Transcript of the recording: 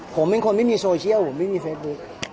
ผมเป็นคนไม่มีโซเชียลผมไม่มีเฟซบุ๊ก